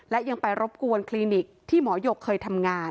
และยังไปรบกวนคลินิกที่หมอหยกเคยทำงาน